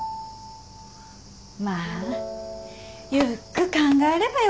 まあゆっくっ考えればよ